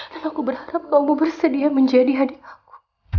dan aku berharap kamu bersedia menjadi adik aku